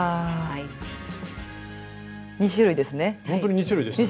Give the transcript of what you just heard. ２種類ですね。